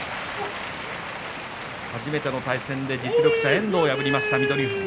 初めての対戦で実力者、遠藤を破った翠富士。